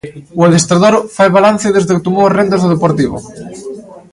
O adestrador fai balance desde que tomou as rendas do Deportivo.